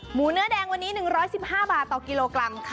หมูเนื้อแดงวันนี้๑๑๕บาทต่อกิโลกรัมค่ะ